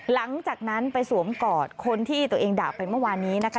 หลังจากนั้นไปสวมกอดคนที่ตัวเองด่าไปเมื่อวานนี้นะคะ